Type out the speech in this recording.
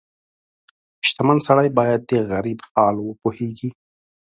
• شتمن سړی باید د غریب حال وپوهيږي.